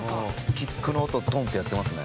キックの音「トン」ってやってますね。